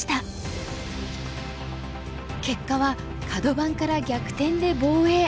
結果はカド番から逆転で防衛。